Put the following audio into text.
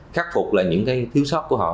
khắc phục lại những thiếu sót của họ